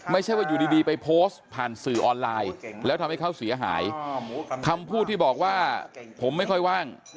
ไม่ใช่ว่าอยู่ดีไปโพสต์ผ่านสื่อออนไลน์แล้วทำให้เขาเสียหายคำพูดที่บอกว่าผมไม่ค่อยว่าง